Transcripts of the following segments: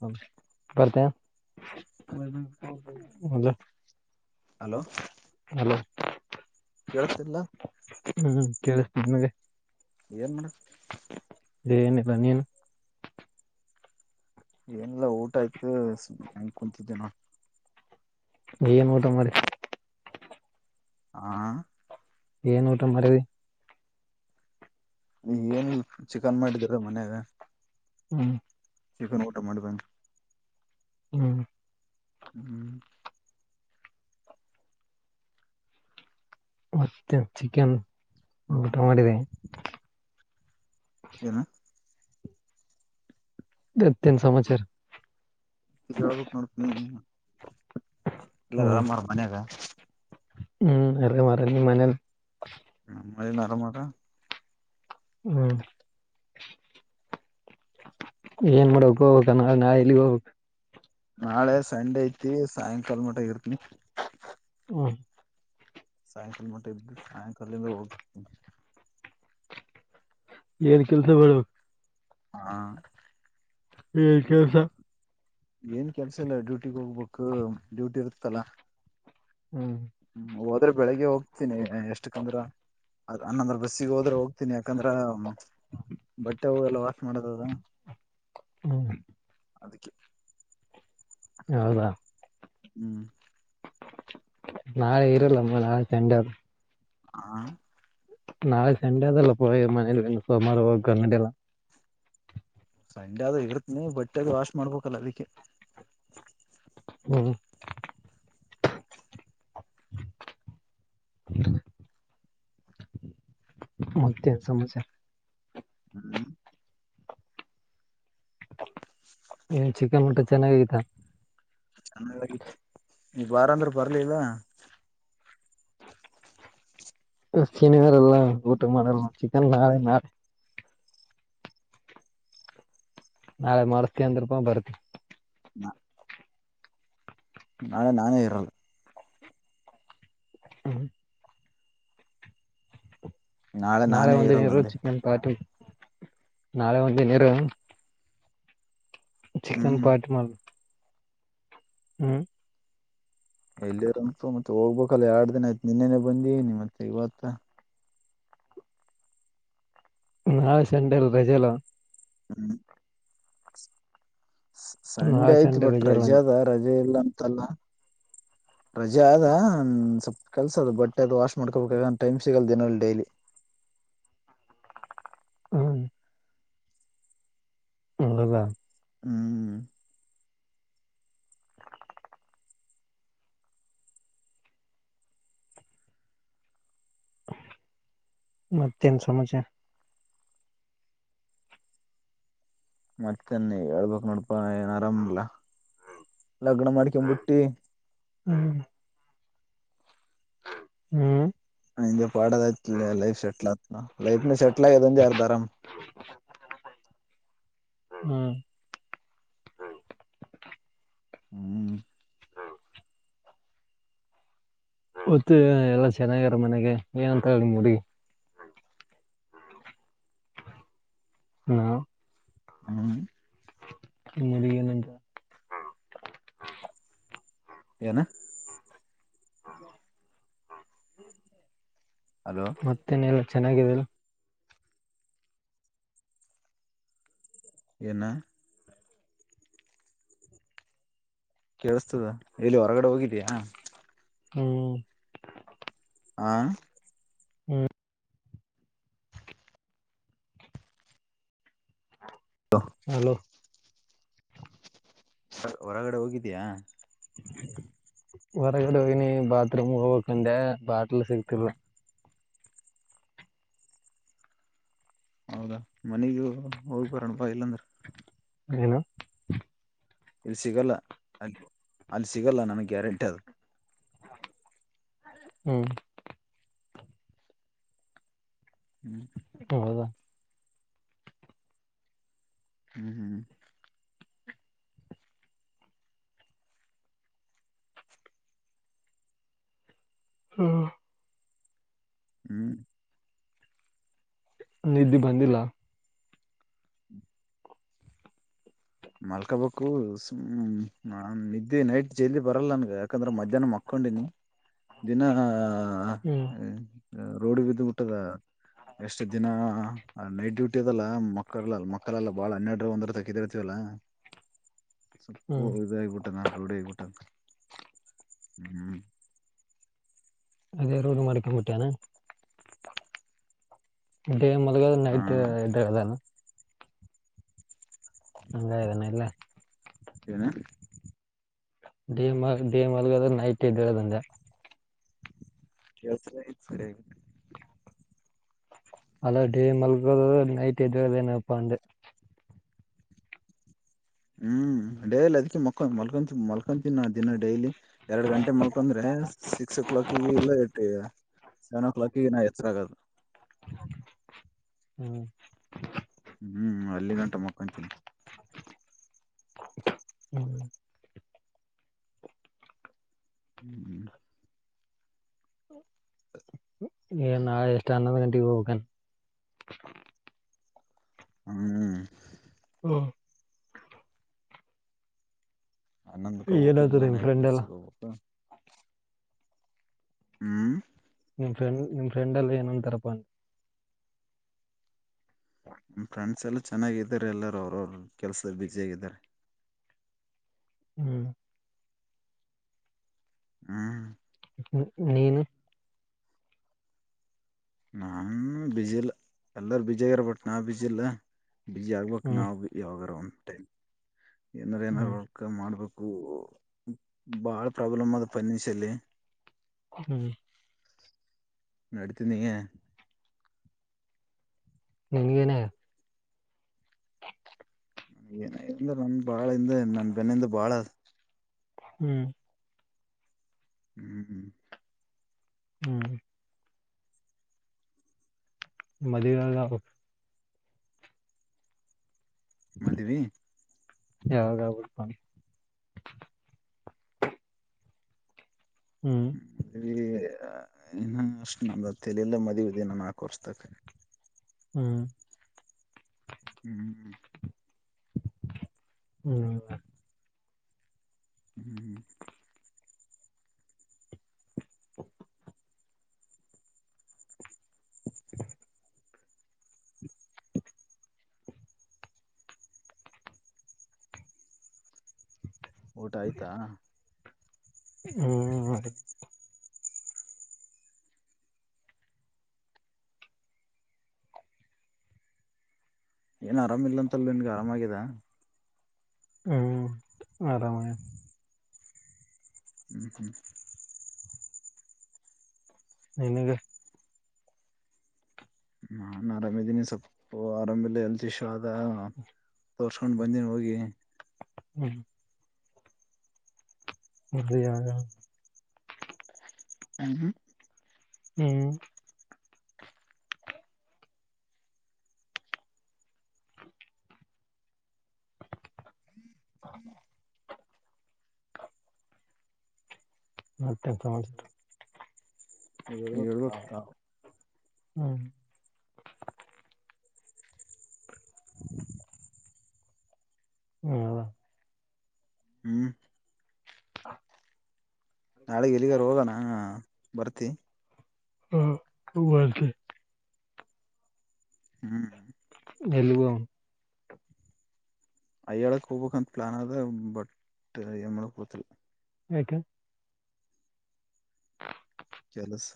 [unintelligible] [inaudible] Hello hello ಕೇಳ್ತಿಲ್ಲ ಹ್ಮ್ ಕೇಳ ನಿಮಗೆ. ಏನ್ ಮಾಡ ಎನಗ ನೀನು. ಏನಲ್ಲ ಊಟ ಆಯ್ತು ಹೆಂಗ ಕುೂಂತಿದ್ದೇ ನಾ. ಏನ್ ಊಟ ಮಾಡ್. ಆ ಏನ್ ಊಟ ಮಾಡಿದಿ [inaudible] ಏನು ಚಿಕನ್ ಮಾಡಿದರ ಮನಾಗ. ಹ್ಮ್ ಚಿಕನ್ ಊಟ ಮಾಡಿದ ಹ್ಮ್. ಹ್ಮ್ ಮತ್ತೆ ಚಿಕನ್ ಊಟ ಹ ಮಾಡಿದೆ. ಏನು. ಮತ್ತೇನ್ ಸಮಾಚಾರ ತಿರಿಳಡತನ. ಎಲ್ಲಾರ ಹ್ಮ್ ಆರಾಮಾರ ಮನ್ಯಾಗ. ಹ್ಮ್ ಅರೆ ಮಾರ ನಿಮ್ ಮನೇಲಿ ಮ ನರ ಮಟ. ಹ್ಮ ಏನ್ ಮಾಡಕ್ ಹೋಗ ನ ನಾ ಇಲ್ಲಿ ಹೋಗಬೇಕಕ್. ನಾಳೆ ಸಂಡೆ ಐತಿ ಸಾಯಂಕಾಲ ಮಟ್ಟಗ ಇರ್ತೀನಿ ಹ್ಮ್ ಸಾಯಂಕಾಲ ಮಟ್ಟೆ ಇದ್ದು ಸಾಯಂಕಾಲಿಂದ ಹೋಗ್ತನಿ ಏನ್ ಕೆಲ್ಸ ಮಾಡ್ಬೇಕ ಹಾ. ಏನ್ ಕೆಲ್ಸ ಏನ್ ಕೆಲ್ಸ ಇಲ್ಲ ಡ್ಯೂಟಿಗ್ ಹೋಗ್ಬೇಕು ಡ್ಯೂಟಿ ಇರುತ್ತಲ್ಲ. ಹ್ಮ್ ಹ್ಮ ಹೋದ್ರೆ ಬೆಳಿಗ್ಗೆ ಹೋಗ್ತೀನಿ ಎಷ್ಟಕಂದ್ರ. ಅದ ಅನ್ನಂದ್ರೆ ಬಸ್ಸಿಗೆ ಹೋದ್ರೆ ಹೋಗ್ತೀನಿ ಯಾಕಂದ್ರ. ಬಟ್ಟೆ ಹಲ್ಲ ವಾಸ ಮಾಡದ ಅದ. [inaudible] ಹ್ಮ್ ಹೌದಾ. ಹ್ಮ್ ನಾಳೆ ಇರಲ್ಲ ಅಮ್ಮ ನಾಳೆ ಸಂಡೇ. ಹಾ ನಾಳೆ ಸಂಡೆ ಅದೆಲ್ಲ ಪ ಮನೇಲಿ ಸೋಮಾರ ಹೋಗನ್ನಡಿ ಎಲ್ಲ. ಸಂಡೆ ಆದ ಇರುತ್ ನೀ ಬಟ್ಟಾಗಿ ವಾಶ್ ಮಾಡ್ಬೇಕಲ್ಲ ಅದಿಕ್ಕೆ ಹ್ಮ. [inaudible] ಮತ್ತೆ ಸಮಸ. ಹ್ಮ್. [inaudible] ಏನ್ ಚಿಕ್ಕನ್ ಊಟ ಚೆನ್ನಾಗತ. ಚೆನ್ನಾಗಿ ಈಗ ಬಾರ ಅಂದ್ರೂ ಬರ್ಲಿಲ್ಲ. [inaudible] ಶನಿವರೆಲ್ಲ ಊಟ ಮಾಡಲ್ ಚಿಕನ್ ನಾಳೆ ನಾಳೆ. ನಾಳೆ ಮಾಡರ್ಸ್ತೀ ಅಂದ್ರೂಪ ಬರ್ತ. ನ [inaudible] ನಾಳೆ ನಾನೇ ಇರಲ್ಲ. ಹ್ಮ ನಾಳೆ ನಾನೇ ಒಂದ ಇರಲ್ಲ ನೀರು ಅಂದೆ ಚಿಕನ್ ಪಟಿ ನಾಳೆ ಒಂದ ನೀರು. ಚಿಕನ್ ಹ್ಮ್ ಪಾಟಿ ಮಾಡಲ್ ಹ್ಮ್ ಎಲ್ಲಿರಂತು ಮತ್ತೆ ಹೋಗ್ಬೇಕಲ್ಲ ಎರಡ್ ದಿನ ಆಯ್ತು ನಿನ್ನೆನೆ ಬಂದಿ ನಿ ಮತ್ತೆ ಇವತ್ತ. ನಾಳೆ ಸಂಡೇ ರಜೆಲ್ಲ. ಹ [unintelligible] ಸಂಡೆ ನಾಳೆ ಐತ್ ಬಟ್ ರಜೆಲ್ಲ ರಜೆ ಅಂದೆ ಅದ ರಜೆ ಇಲ್ಲ ಅಂತಲ್ಲ, [unintelligible] ರಜೆ ಅದ ಸ್ವಲ್ಪ್ ಕೆಲ್ಸ ಅದ ಬಟ್ಟೆ ಅದು ವಾಶ್ ಮಾಡ್ಕೋಬೇಕ ಅಂತ ಟೈಮ್ ಸಿಗಲ್ ದಿನ ಡೈಲಿ [unintelligible] [unintelligible] ಹು [unintelligible] ಹಂಗಲ್ಲ, [unintelligible] ಹೂ [unintelligible] ಮತ್ತೇನ ಸಮಾಚಾರ? [unintelligible] ಮತ್ತ ನೀ ಹೇಳ್ಬಕ್ ನೋಡ್ಪಾ ಏನ್ ಆರಾಮ ಅಲ್ಲ, [unintelligible] ಲಗ್ನ ಮಾಡ್ಕಂಬಿಟ್ಟಿ. [unintelligible] ಹು [unintelligible] ಹು ಬಡೆದಿತ್ತ ಲೈ ಲೈಫ್ ಸೆಟ್ ಆತ ಲೈಫ ಸೆಟ್ಲ್ ಆತ ಅರ್ದಾ ರಾಮ [unintelligible] [unintelligible] ಹೂ ಹೂ [unintelligible] ಹೂ [unintelligible] ಗೊತ್ತ ಎಲ್ಲಾ ಚೆನ್ನಾಗ್ಯಾರ ಮನೆಗೆ ಏನಂತ ಅಂತಾಳ ನಿಮ್ಮ ಹುಡುಗಿ. [unintelligible] ಹಲೋ [unintelligible] ಹೂ [unintelligible] ನಿಮ್ಮ ಹುಡುಗಿ ಏನ ಅಂತಾಳ? [unintelligible] ಏನ್ [unintelligible] [unintelligible] [inaudible] ಹಲೋ ಮತ್ತೇನ ಎಲ್ಲ ಚೆನ್ನಾಗಿದರಾ? [unintelligible] ಏನಾ [unintelligible] ಕೇಳಿಸತದ ಎಲ್ಲಿ ಹೊರಗಡೆ ಹೋಗಿದಯಾ? [unintelligible] ಹೂ [unintelligible] ಆ [unintelligible] ಹೂ [unintelligible] [unintelligible] ಹಲೋ? ಸರ್ ಹೊರಗಡೆ ಹೋಗಿದಯಾ? [unintelligible] ಹೊರಗಡೆ ಹೋಗನಿ ಬಾತ್ರೂಮ ಹೋಗ ಬೇಕ್ ಬಂದೇ ಬಾಟ್ಲ್ ಸಿಗ್ತಿಲ? [unintelligible] ಹೌದಾ ಮನಿಗೂ ಹೋಗ್ ಬರೋಣ ಬಾ ಇಲ್ಲಾಂದ್ರ? [unintelligible] ಏನು? [unintelligible] ಇಲ್ಲಿ ಸಿಗಲ್ಲ ಅಲ ಅಲ್ಲಿ ಸಿಗಲ್ಲ ನನಗೇ ಗ್ಯಾರಂಟಿ ಅದ, [unintelligible] [unintelligible] ಹೂ ಹು [unintelligible] ಹೌದಾ? [unintelligible] ಹು ಹು [unintelligible] ಹಾ [unintelligible] ಹು [unintelligible] ನಿದ್ದಿ ಬಂದಿಲ್ಲ? ಮಲ್ಕಬೇಕು ಸುಮ್ಮನೆ ನಾ ನಿದ್ದೆ ನೈಟ್ ಜೈಲದಿ ಬರಲ್ಲ ನನ್ಗ ಯಾಕಂದ್ರ ಮಧ್ಯಾಹ್ನ ಮಕ್ಕ [unintelligible] ಮೊಕ್ಕೊಂಡಿನಿ ದಿನಾ ಹ್ಮ್ ರೂಡಿ ಬಿದ್ದ ಬಿಟ್ಟದ. [unintelligible] ಎಷ್ಟು ದಿನಾ ನೈಟ್ ಡ್ಯೂಟಿ ಅದಲ್ಲ ಮಕ್ಕಳ ಮಕ್ಕಳೆಲ್ಲಾ ಬಾಳ ಹನ್ನೆರಡ ಒಂದರ ತಕಿದ [unintelligible] ಇದವಲ್ ಹ್ಮ್ ಸ್ವಲ್ಪ ಇದು ಆಗಬಿಟ್ಟದ ಆದ ರೂಡಿ ಆಗಬಿಟ್ಟದ. [unintelligible] ಹೂ [unintelligible] ಅದೇ ರೂಡಿ ಮಾಡ್ಕೊಂಡ ಬಿಟ್ಟಿ ಏನ್? [unintelligible] ಡೇ ಮೊದಲ ಹಾ ನೈಟ್ ಇದ್ದದಲ್ಲ, [unintelligible] ಹಂಗ್ ಏನಿಲ್ಲ? [unintelligible] ಏನ್ [unintelligible] ಡೇ ಮಲಗ ಡೇ ಮಲ್ಗದ ನೈಟ್ ಏದೂಳದ ಅಂದೇ [unintelligible] ಅಲ ಡೇ ಮಲಗೋದು ನೈಟ್ ಎದಳೋದೇನಪ ಅದೇ ಹ್ಮ್ ಡೈಲಿ ಅದಕ ಮಕ್ಕೊಂಡ ಮಲ್ಕೊಂತ ಮಲ್ಕೊಂತೀನ್ ನಾ ದಿನ ಡೈಲಿ ಎರಡ್ ಗಂಟೆ ಮಲ್ಕಂದ್ರೆ ಸಿಕ್ಸ್ ಓ ಕ್ಲಾಕಿಗೆ ಇಲ್ಲ ಸೆವೆನ್ ಓ ಕ್ಲಾಕಿಗೆ ನಾ ಎಚ್ಚರ ಆಗೋದು ಹ್ಮ್ ಹ್ಮ್ ಅಲ್ಲಿ ಗಂಟ ಮಕ್ಕೊಂತೀನಿ ಹ್ಮ್ ಏ ನಾಳೆ ಎಷ್ಟನ ಹನೋಂದ ಗಂಟೆಗ ಹೋಗಬೇಕನ ಹ್ಮ್ ಹಾ ಹನಂದಕ್ಕ ಹೋಗ್ಬೇಕು ಏನಾತದೆ ಎಲ್ಲಾ ನಿಮ್ ನೈಟ್ ಫ್ರೆಂಡ್ ಎಲ್ಲ ಬಸ್ಸಿಗೆ ಹೋಗ್ಬೇಕು ಹ್ಮ್ ನಿಮ್ ಫ್ರೆಂಡ್ಮ್ ಫ್ರೆಂಡ್ ಎಲ್ಲಿ ಏನಂತಾರಪ್ಪ ಅಂದೇ ಫ್ರೆಂಡ್ಸ್ ಎಲ್ಲ ಚೆನ್ನಾಗಿದ್ದಾರೆ ಎಲ್ಲರ ಅವ್ರು ಅವರು ಕೆಲ್ಸದಲ್ಲಿ ಬಿುಸಿ ಆಗಿದ್ದಾರೆ ಹ್ಮ್ ಹ್ಮ್ ಹು ನೀನು ನಾನ್ ಬಿಜಿ ಇಲ್ಲ ಎಲ್ಲಾರು ಬಿಜಿ ಆಗ್ಯಾರ ಬಟ್ ನಾ ಬಿಜಿ ಇಲ್ಲ ಬಿಜಿ ಆಗ್ಬೇಕು ಹ್ಮ್ ನಾವು ಯಾವಾಗಾರ ಒಂದು ಟೈಮ್ ಏನಾರ ಏನಾರ ಹ್ಮ್ ವರ್ಕ್ ಮಾಡ್ಬೇಕು ಬಾಳ ಪ್ರಾಬ್ಲಮ್ ಅದ ಫೈನಾನ್ಷಿಯಲ್ಲಿ ಹ್ಮ್ ನಡೀತನಿಯ ನಿನ್ಗೆನೆ ನಂದ್ರ ನನ್ ಬಾಳಿಂದ ನನ್ ಬೆನ್ನಿಂದ ಬಾಳ ಹ್ಮ್ ಹ್ಮ್-ಹ್ಮ್ ಹ್ಮ್ ಮದಿವೆ ಆಲ್ಲಬ ಮದಿವಿ ಯಾವಾಗಾಬಕು ಅನ್ ಹ್ಮ್ ಹ್ಮ ಅಲ್ಲಿ ಇನ್ನು ಅಷ್ಟ್ ನಮ್ದ ತಲಿಲ್ಲ ಮದುವಿದಿನ್ನು ನಾಕ್ ವರ್ಷದಾಗ್. ಹ್ಮ್ ಹ್ಮ್-ಹ್ಮ್ ಹ್ಮ್ ಹ್ಮ್ [unintelligible] [inaudible] ಊಟ ಆಯ್ತಾ? ಹ್ಮ ಅದೇ ಏನ್ ಆರಾಮಿಲ್ಲ ಅಂತಲ್ ನಿನ್ಗ ಆರಾಮಾಗಿದ. ಹ್ಮ್ ಆರಾಮ್ ಹ್ಮ್ ಹ್ಮ್ ನಿನಗೆ ನಾನ್ ಆರಾಮ ಇದ್ದೀನಿ ಸ್ವಲ್ಪ ಆರಾಮಲೆ ಹೆಲ್ತ್ ಇಶ್ಯೂ [unintelligible] ತೊರ್ಸ್ಕೊಂಡ್ ಬಂದಿನ್ ಹೋಗಿ. ಹ್ಮ್ ಮದ್ವಿಯಾದ? ಊ ಹ್ಮ್ ಹ್ಮ್ [inaudible] ಮತ್ತೆನ್ ಸಮಾಚಾರ ಹೇಳ್ಬೇಕ್ ಹೇಳ್ಬೇಕ ತಾವೆ. ತಾವ್ ಹ್ಮ್ [inaudible] ಹಾ ಅಲ [unintelligible] ಹ್ಮ್ [unintelligible] ನಾಳೆಗ್ ಎಲ್ಲಿಗಾರೋಗಣ ಬರ್ತಿ? ಹಾ ಹೂ ಬರ್ತಿ. ಹ್ಮ್ ಎಲ್ಲಿಗೋಗಂ ಅಯ್ಯಳಕ್ ಹೋಬಕಂತ ಪ್ಲಾನ್ ಅದ ಬಟ್ ಏನ್ ಮಾಡ್ಬೇಕ್ ಗೊತ್ತಿಲ್ಲ. ಯಾಕೆ [inaudible] ಕೆಲಸ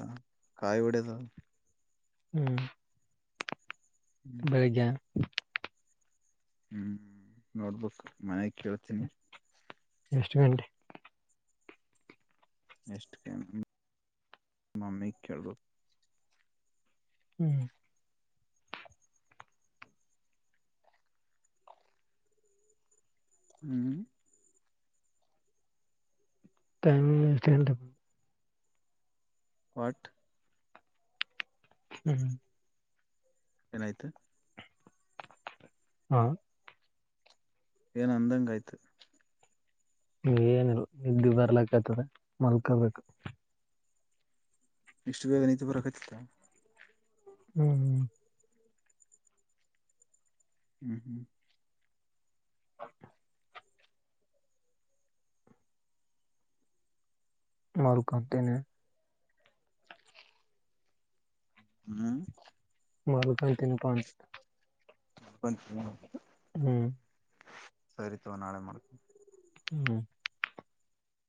ಕಾಯ್ ಒಡೆಯದು ಅದ. ಹ್ಮ್ ಹ್ಮ್ ಬೆಳಿಗ್ಗೆ ಹ್ಮ್ ನೋಟ್ಬುಕ್ ಮನೆಗ್ ಕೇಳ್ತೀನಿ. ಎಷ್ಟ್ ಗಂಟೆ ಎಷ್ಟ ಕೇನ ಮಮ್ಮಿ ಕೇಳಬೇಕು ಹ್ಮ್ ಹ್ಮ್ ಟೈಮ [unintelligible] ವಾಟ್ ಹ್ಮ್ ಹ್ಮ ಏನಾಯ್ತು ಹಾ ಏನ್ ಅಂದಂಗ ಆಯ್ತು ಏನಲ್ ನಿದ್ದಿ ಬರ್ಲಕ್ಕ ಆತದೆ ಮಲ್ಕೊಬೇಕು. ಇಷ್ಟು ಬೇಗ ನಿದ್ದಿ ಬರಕತ್ತತ್ತಾ. ಹ್ಮ್ ಹ್ಮ್ ಹ್ಮ್ ಹ್ಮ್ ಮಾಲ್ಕಂತನೆ. ಹ್ಮ್ ಮಲ್ಕೊತೀನಪ್ಪ [unintelligible] ಸರಿ ತವಾ ನಾಳೆ ಮಾಡ್ತೀನಿ. ಹ್ಮ್